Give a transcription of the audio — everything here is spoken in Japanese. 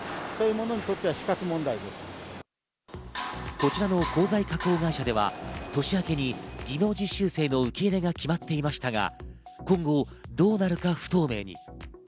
こちらの鋼材加工会社では、年明けに技能実習生の受け入れが決まっていましたが、今後どうなるか不透明に。